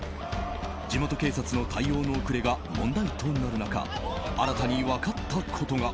地元警察の対応の遅れが問題となる中新たに分かったことが。